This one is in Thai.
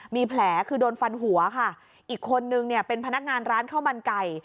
มีแผลคือโดนฟันหัวค่ะอีกคนนึงเนี่ยเป็นพนักงานร้านข้าวมันไก่